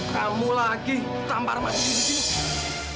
kamu lagi tampar masih di sini